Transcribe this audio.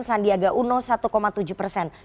sandiaga uno satu tujuh persen